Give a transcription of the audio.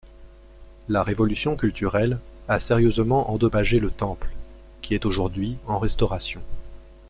La révolution culturelle a sérieusement endommagé le temple, qui est aujourd'hui en restauration.